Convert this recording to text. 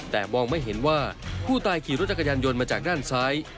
แต่มองไม่เห็นว่าผู้ตายขี่รถจักรยานยนต์มาจากด้านซ้าย